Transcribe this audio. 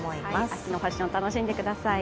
秋のファッション楽しんでください。